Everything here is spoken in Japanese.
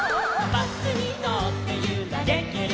「バスにのってゆられてる」